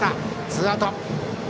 ツーアウト。